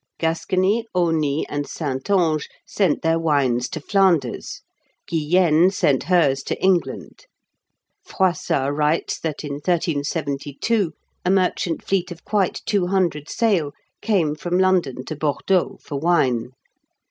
Gascony, Aunis, and Saintonge sent their wines to Flanders; Guyenne sent hers to England. Froissart writes that, in 1372, a merchant fleet of quite two hundred sail came from London to Bordeaux for wine.